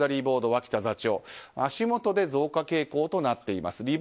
ボード脇田座長足元で増加傾向となっています。